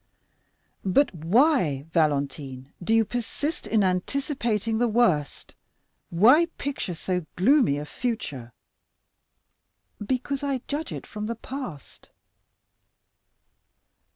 "But why, Valentine, do you persist in anticipating the worst,—why picture so gloomy a future?" "Because I judge it from the past."